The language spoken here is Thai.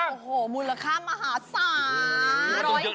โอ้โฮมูลค่ามหาศาสตร์